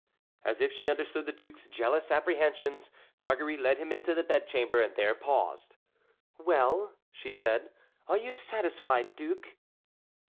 As if she understood the duke's jealous apprehensions, Marguerite led him to the bedchamber, and there paused. "Well," she said, "are you satisfied, duke?"